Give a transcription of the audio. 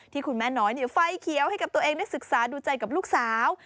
คุณแม่น้อยไฟเขียวให้กับตัวเองได้ศึกษาดูใจกับลูกสาว